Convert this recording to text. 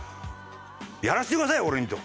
「やらせてください俺に」と。